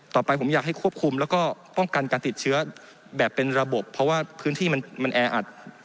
ต่อไปผมอยากให้ควบคุมแล้วก็ป้องกันการติดเชื้อแบบเป็นระบบเพราะว่าพื้นที่มันแออัด